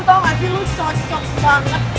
lo tau gak sih lo cocok banget